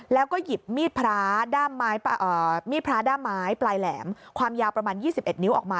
แล้วก็หยิบมีดพระมีดพระด้ามไม้ปลายแหลมความยาวประมาณ๒๑นิ้วออกมา